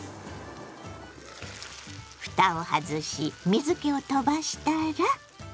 ふたを外し水けを飛ばしたら。